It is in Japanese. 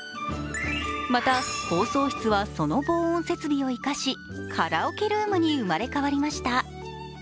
また放送室はその防音設備を生かし、カラオケルームに生まれ変わりました。